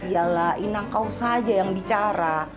yalah inang kau saja yang bicara